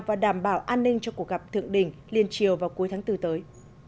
và đảm bảo an ninh cho cuộc gặp thượng đỉnh liên triều vào cuối tháng bốn tới